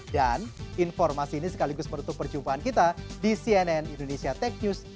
dan informasi ini sekaligus menutup perjumpaan kita di cnn indonesia tech news